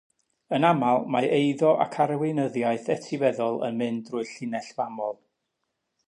Yn aml mae eiddo ac arweinyddiaeth etifeddol yn mynd drwy'r llinell famol.